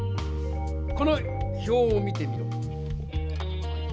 この表を見てみろ。